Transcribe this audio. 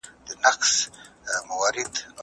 آیا پوهان د تاریخ په تعریف کي سره یو دي؟